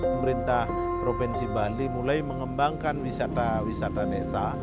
pemerintah provinsi bali mulai mengembangkan wisata wisata desa